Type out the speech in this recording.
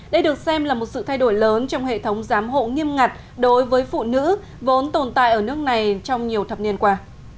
đây được xem là một sự thay đổi lớn trong hệ thống giám hộ nghiêm ngặt đối với phụ nữ vốn tồn tại ở nước này trong nhiều thập niên qua